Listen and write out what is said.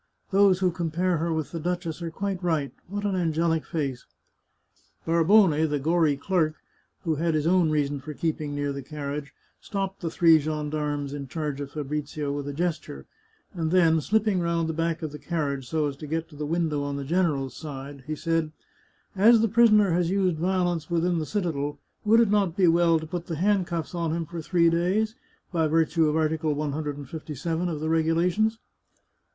Those who compare her with the duchess are quite right. What an an gelic face !" Barbone, the gory clerk, who had his own reasons for keeping near the carriage, stopped the three gendarmes in charge of Fabrizio with a gesture, and then, slipping round the back of the carriage so as to get to the window on the general's side, he said :" As the prisoner has used violence within the citadel, would it not be well to put the handcuflfs on him for three days, by virtue of Article 157 of the regulations